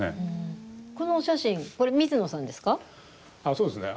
そうですね。